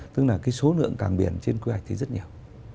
tức là cái số lượng càng biển trên quy hoạch thì rất nhiều